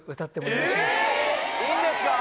いいんですか！？